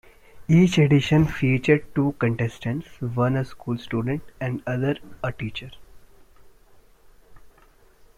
Each edition featured two contestants; one a school student and the other a teacher.